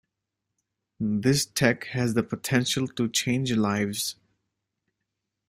This tech has the potential to change lives.